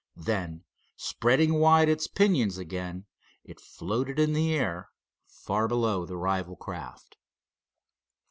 Then spreading wide its pinions again, it floated in the air, far below the rival craft.